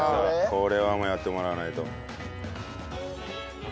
これはやってもらわないと。